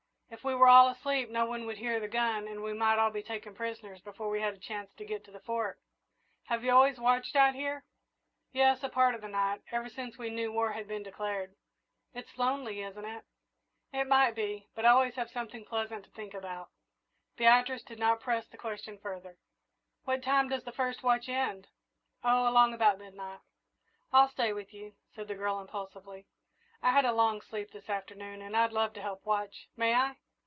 "If we were all asleep, no one would hear the gun and we might all be taken prisoners before we had a chance to get to the Fort." "Have you always watched out here?" "Yes, a part of the night, ever since we knew war had been declared." "It's lonely, isn't it?" "It might be, but I always have something pleasant to think about." Beatrice did not press the question further. "What time does the first watch end?" "Oh, along about midnight." "I'll stay with you," said the girl impulsively; "I had a long sleep this afternoon, and I'd love to help watch. May I?"